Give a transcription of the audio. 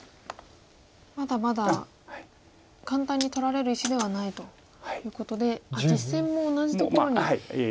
まだまだ簡単に取られる石ではないということで実戦も同じところにノゾきました。